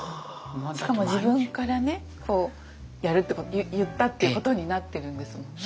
しかも自分からねやるって言ったってことになってるんですもんね。